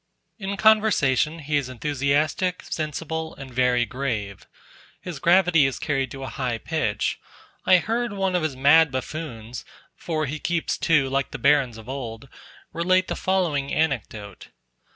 In conversation he is enthusiastic, sensible, and very grave. His gravity is carried to a high pitch: I heard one of his mad buffoons (for he keeps two, like the barons of old) relate the following anecdote.